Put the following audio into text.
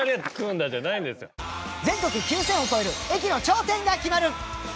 全国９０００を超える駅の頂点が決まる！